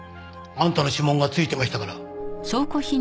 あんたの指紋がついてましたから。